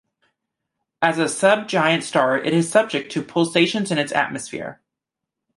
As a sub-giant star it is subject to pulsations in its atmosphere.